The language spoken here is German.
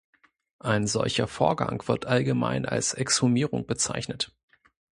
Ein solcher Vorgang wird allgemein als "Exhumierung" bezeichnet.